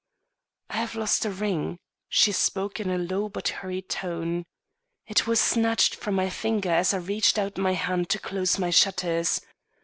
"I have lost a ring." She spoke in a low but hurried tone. "It was snatched from my finger as I reached out my hand to close my shutters.